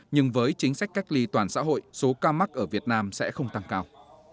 nhưng với chính sách cách ly toàn xã hội số ca mắc ở việt nam sẽ không tăng cao